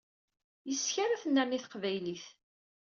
Yes-k ara tennerni teqbaylit.